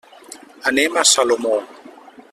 Anem a Salomó.